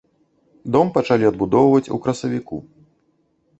Дом пачалі адбудоўваць у красавіку.